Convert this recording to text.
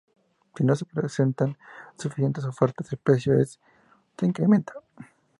Si no se presentan suficientes ofertas, el precio se incrementa.